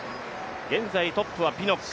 現在、トップはピノック。